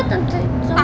tante aku mau